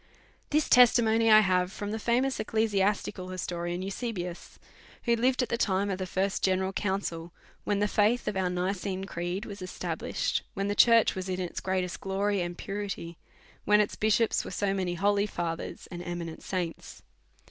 This testimony I have from the famous ecclesiasti cal historian Eusebius, who lived at the time of the first general council, when the faith of our Nicene creed was established, when the church was in its greatest glory and purity, when its bishops were so many holy fathers and eminent saints.